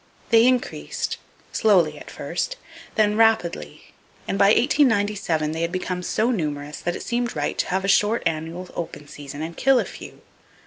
They increased, slowly at first, then rapidly, and by 1897, they had become so numerous that it seemed right to have a short annual open season, and kill a few.